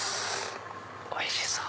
おいしそう！